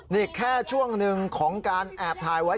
นี่แค่ช่วงหนึ่งของการแอบถ่ายไว้